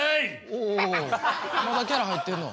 おおまだキャラ入ってんの。